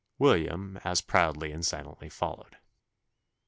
William as proudly and silently followed.